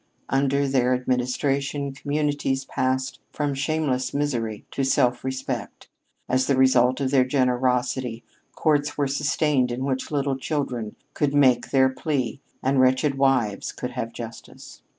Under their administration communities passed from shameless misery to self respect; as the result of their generosity, courts were sustained in which little children could make their plea and wretched wives could have justice.